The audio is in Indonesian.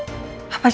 ini ada apa sih